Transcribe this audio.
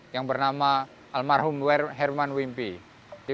yang bernama almarhum herman wimpi